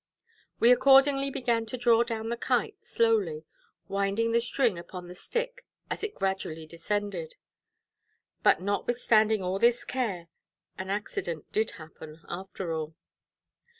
We accordingly began to draw down the Kite slowly, winding the string upon the stick as it gradually descended. But notwithstanding all this care, an accident did happen after all.